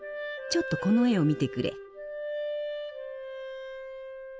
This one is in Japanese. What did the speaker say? ちょっとこの絵を見てくれ。